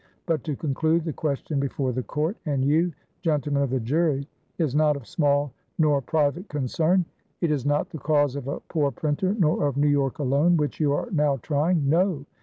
But to conclude: the question before the court, and you, gentlemen of the jury, is not of small nor private concern; it is not the cause of a poor printer, nor of New York alone, which you are now trying. No!